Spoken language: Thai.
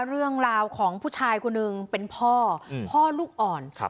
เรื่องราวของผู้ชายคนหนึ่งเป็นพ่อพ่อลูกอ่อน